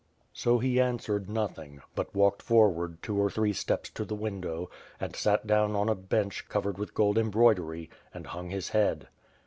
So he answered nothing, but walked forward two or three steps to the window, and sat down on a bench covered with gold embroidery, and hung his head.